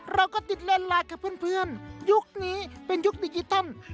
เราก็ติดเล่นไลน์กับเพื่อนยุคนี้เป็นยุคดิจิตอล